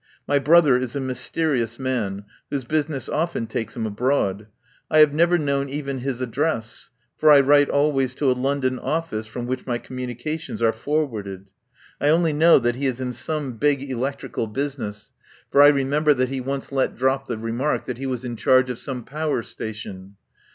My brother is a mys terious man, whose business often takes him abroad. I have never known even his ad dress, for I write always to a London office from which my communications are forward ed. I only know that he is in some big elec 97 THE POWER HOUSE trical business, for I remember that he once let drop the remark that he was in charge of some power station.